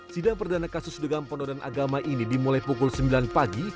sidang perdana kasus dugaan penodaan agama ini dimulai pukul sembilan pagi